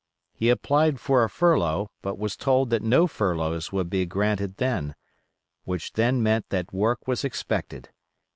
He applied for a furlough, but was told that no furloughs would be granted then—which then meant that work was expected.